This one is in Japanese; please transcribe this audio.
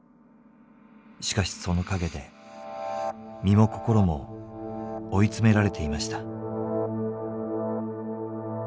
しかしその陰で身も心も追い詰められていました。